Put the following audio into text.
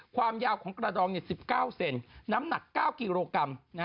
ความยาวของกระดอง๑๙เซนน้ำหนัก๙กิโลกรัม